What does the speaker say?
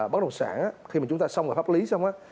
bất đồng sản á khi mà chúng ta xong rồi pháp lý xong á